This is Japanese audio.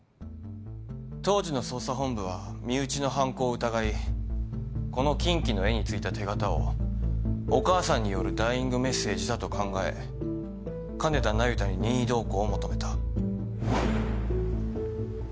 当時の捜査本部は身内の犯行を疑いこの金鬼の絵についた手形をお母さんによるダイイングメッセージだと考え金田那由他に任意同行を求めた。